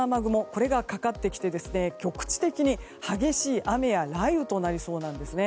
これがかかってきて局地的に激しい雨や雷雨となりそうなんですね。